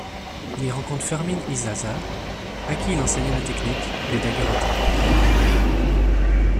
Il y rencontre Fermín Isaza, à qui il enseigne la technique du daguerréotype.